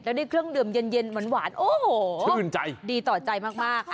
แล้วได้เครื่องดื่มเย็นหวานโอ้โหชื่นใจดีต่อใจมาก